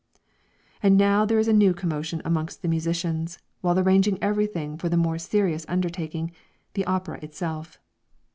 And now there is a new commotion among the musicians, while arranging every thing for the more serious undertaking, the opera itself.